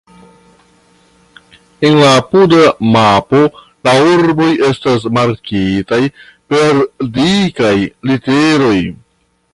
En la apuda mapo la urboj estas markitaj per dikaj literoj.